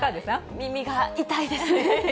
耳が痛いですね。